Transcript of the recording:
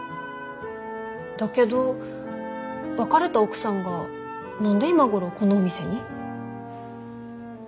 だけど別れた奥さんが何で今頃このお店に？